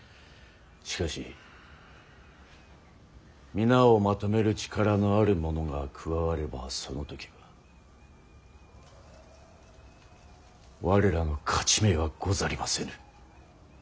しかし皆をまとめる力のある者が加わればその時は我らの勝ち目はござりませぬ。